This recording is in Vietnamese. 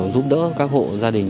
giúp đỡ các hộ gia đình